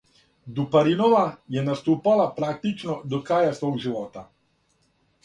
Дупаринова је наступала практично до краја свог живота.